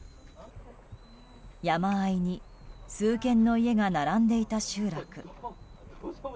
山あいに数軒の家が並んでいた集落。